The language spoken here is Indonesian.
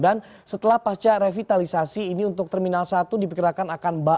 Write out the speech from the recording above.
dan setelah pasca revitalisasi ini untuk terminal satu dipikirkan akan ba